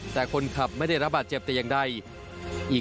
แต่คนขับไม่ได้รับบาดเจ็บแต่อย่างใดอีก